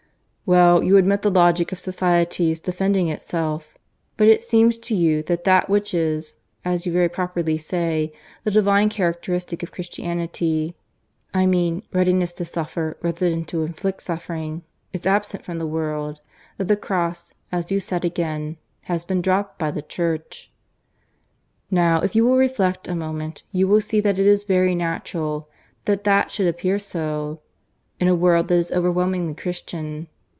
Well, you admit the logic of society's defending itself; but it seems to you that that which is, as you very properly said, the divine characteristic of Christianity I mean, readiness to suffer rather than to inflict suffering is absent from the world; that the cross, as you said again, has been dropped by the Church. "Now, if you will reflect a moment, you will see that it is very natural that that should appear so, in a world that is overwhelmingly Christian.